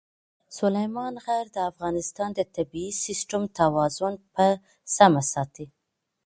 سلیمان غر د افغانستان د طبعي سیسټم توازن په سمه ساتي.